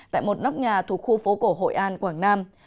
tại một nóc nhà thuộc khu phố cổ hội an quảng nam